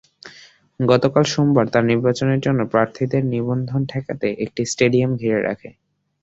গতকাল সোমবার তারা নির্বাচনের জন্য প্রার্থীদের নিবন্ধন ঠেকাতে একটি স্টেডিয়াম ঘিরে রাখে।